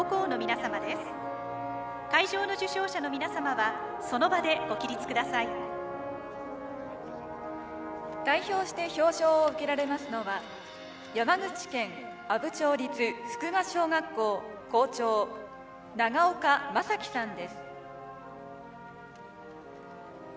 会場の受賞者の皆様はその場でご起立ください。代表して表彰を受けられますのは山口県阿武町立福賀小学校校長長岡正紀さんです。